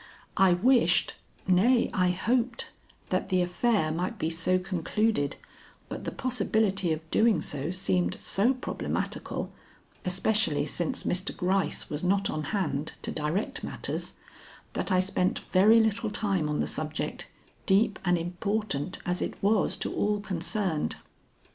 I wished nay, I hoped that the affair might be so concluded, but the possibility of doing so seemed so problematical, especially since Mr. Gryce was not on hand to direct matters, that I spent very little time on the subject, deep and important as it was to all concerned.